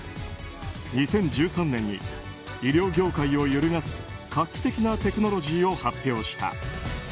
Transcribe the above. ２０１３年に医療業界を揺るがす画期的なテクノロジーを発表した。